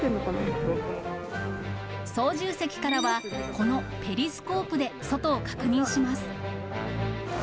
操縦席からは、このペリスコープで外を確認します。